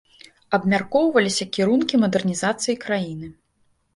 Абмяркоўваліся кірункі мадэрнізацыі краіны.